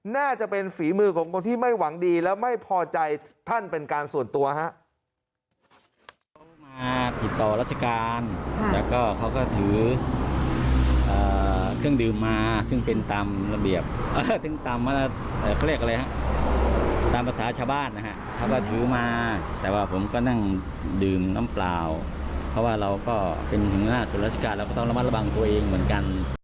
น่าจะเป็นฝีมือของคนที่ไม่หวังดีและไม่พอใจท่านเป็นการส่วนตัวครับ